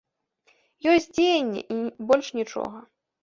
Ёсць дзеянне, і больш нічога.